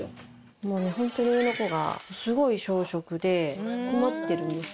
もうホントに上の子がすごい小食で困ってるんですよ。